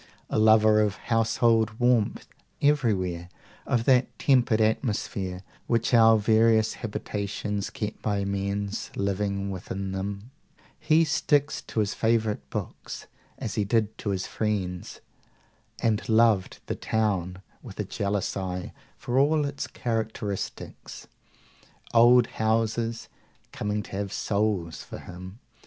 A lover of household warmth everywhere, of that tempered atmosphere which our various habitations get by men's living within them, he "sticks to his favourite books as he did to his friends," and loved the "town," with a jealous eye for all its characteristics, "old houses" coming to have souls for him.